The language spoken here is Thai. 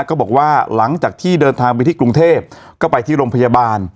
ก็บอกว่าหลังจากที่เดินทางไปที่กรุงเทพก็ไปที่โรงพยาบาล